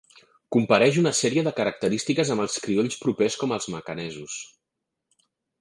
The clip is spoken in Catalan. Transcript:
Compareix una sèrie de característiques amb els criolls propers com els macanesos.